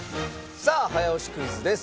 さあ早押しクイズです。